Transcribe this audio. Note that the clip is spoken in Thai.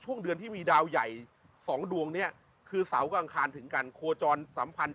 ช่วงเดือนที่มีดาวใหญ่๒ดวงเนี่ยคือเสาร์กับอังคารถึงกันโคจรสัมพันธ์